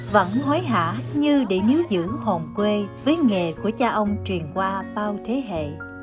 vẫn hối hả như để níu giữ hồn quê với nghề của cha ông truyền qua bao thế hệ